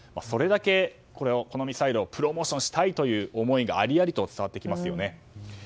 それだけ、このミサイルをプロモーションしたいという思いが思いが伝わってきますよね。